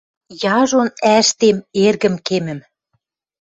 Яжон ӓштем эргӹм кемӹм